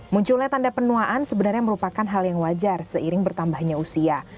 munculnya tanda penuaan sebenarnya merupakan hal yang wajar seiring bertambahnya usia